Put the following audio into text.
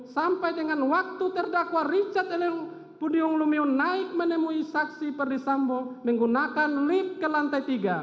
sampai dengan waktu terdakwa richard elie pudium lumiu naik menemui saksi perdisambo menggunakan lift ke lantai tiga